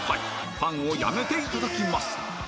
ファンをやめていただきます